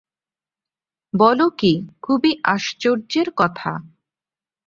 বল কী, খুবই আশ্চর্যের কথা।